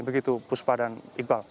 begitu puspa dan iqbal